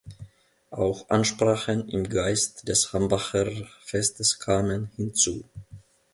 Auch Ansprachen im Geist des Hambacher Festes kamen hinzu.